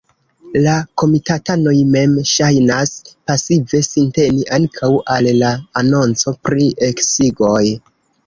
La komitatanoj mem ŝajnas pasive sinteni ankaŭ al la anonco pri eksigoj.